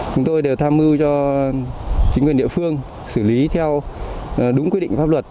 chúng tôi đều tham mưu cho chính quyền địa phương xử lý theo đúng quy định pháp luật